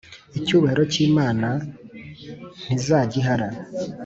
icyubahiro cyimana ntizagihara